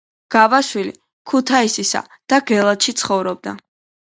გაბაშვილი ქუთაისსა და გელათში ცხოვრობდა.